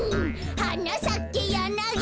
「はなさけヤナギ」